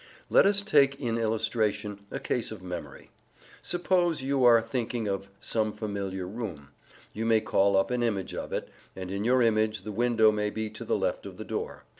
Let us take in illustration a case of memory. Suppose you are thinking of some familiar room. You may call up an image of it, and in your image the window may be to the left of the door.